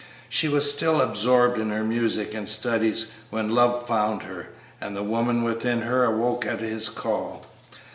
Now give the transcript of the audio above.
She was still absorbed in her music and studies when Love found her, and the woman within her awoke at his call.